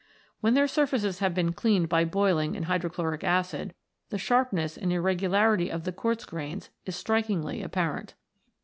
When their surfaces have been cleaned by boiling in hydrochloric acid, the sharpness and irregularity of the quartz grains is strikingly apparent.